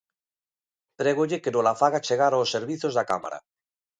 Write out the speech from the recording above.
Prégolle que nola faga chegar aos servizos da Cámara.